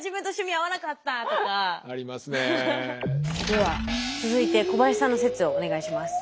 では続いて小林さんの説をお願いします。